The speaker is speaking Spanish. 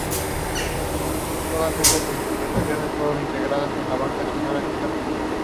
Posteriormente continuaron dando funciones por diversos teatros de la República.